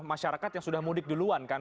masyarakat yang sudah mudik duluan kan